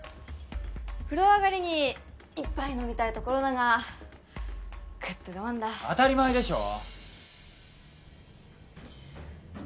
風呂上がりに一杯飲みたいところだがグッと我慢だ当たり前でしょ！